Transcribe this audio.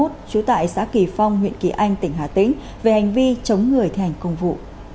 trú tại xã kỳ phong huyện kỳ anh tỉnh hà tĩnh về hành vi chống người thi hành công vụ